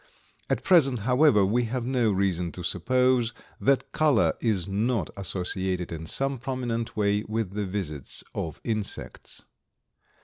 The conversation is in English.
At present, however, we have no reason to suppose that color is not associated in some prominent way with the visits of insects.